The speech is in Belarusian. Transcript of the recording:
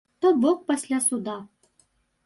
То бок пасля суда.